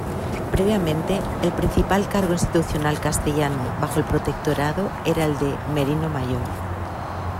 Previamente, el principal cargo institucional castellano bajo el protectorado era el de "merino mayor".